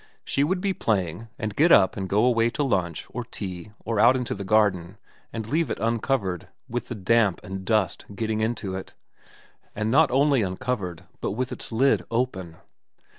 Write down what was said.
She would be playing, and get up and go away to lunch, or tea, or out into the garden, and leave it uncovered with the damp and dust getting into it, and not only uncovered but with its lid open.